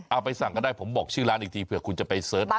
เอาไปสั่งก็ได้ผมบอกชื่อร้านอีกทีเผื่อคุณจะไปเสิร์ช